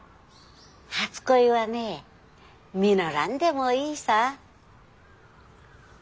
初恋はね実らんでもいいさぁ。え？